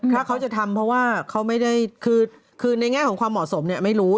ถ้าเขาจะทำเพราะว่าเขาไม่ได้คือในแง่ของความเหมาะสมเนี่ยไม่รู้